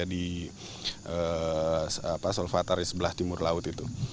di solvatar di sebelah timur laut itu